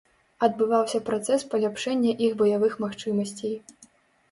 Адбываўся працэс паляпшэння іх баявых магчымасцей.